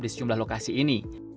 di sejumlah lokasi ini